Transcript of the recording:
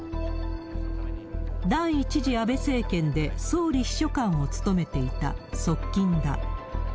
第１次安倍政権で、総理秘書官を務めていた側近だ。